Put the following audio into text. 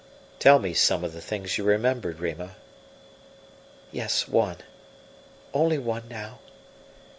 "Tell me some of the things you remembered, Rima." "Yes, one only one now.